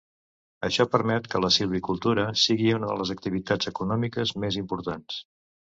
Això permet que la silvicultura sigui una de les activitats econòmiques més importants.